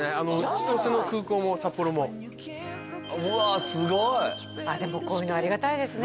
千歳の空港も札幌もうわすごいでもこういうのありがたいですね